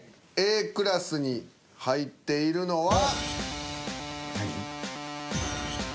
Ａクラスに入っているのは。